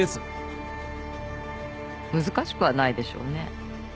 難しくはないでしょうね。